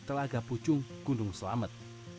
telaga pucung gunung selamet